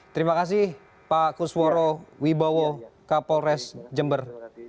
terima kasih pak kusworo wibowo kapolres jember